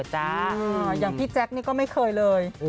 อย่างพี่แจ๊คนี่ก็ไม่เคยเลย